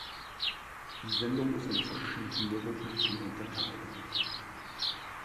Die Sendung ist in verschiedene Rubriken unterteilt.